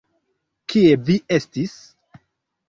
Kie vi estis?